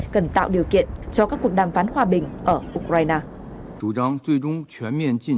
cần tạo điều kiện cho các cuộc đàm phán hòa bình ở ukraine